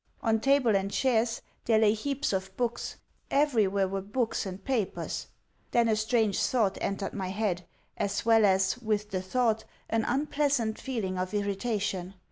On table and chairs there lay heaps of books; everywhere were books and papers. Then a strange thought entered my head, as well as, with the thought, an unpleasant feeling of irritation.